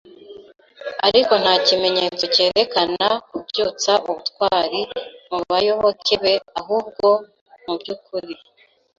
Ariko nta kimenyetso cyerekana kubyutsa ubutwari mubayoboke be, ahubwo, mubyukuri